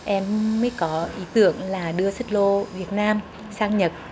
em mới có ý tưởng là đưa xích lô việt nam sang nhật